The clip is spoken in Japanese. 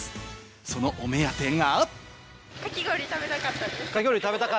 そのお目当てが。